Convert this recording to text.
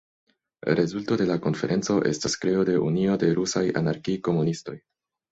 Rezulto de la konferenco estas kreo de "Unio de rusaj anarki-komunistoj".